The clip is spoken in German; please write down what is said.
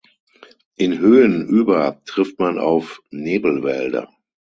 In Höhen über trifft man auf Nebelwälder.